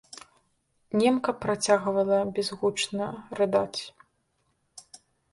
Немка працягвала бязгучна рыдаць.